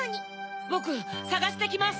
ぼくさがしてきます。